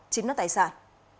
chiến đoạt tài sản